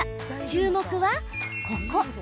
注目はここ。